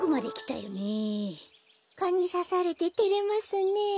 カにさされててれますねえ。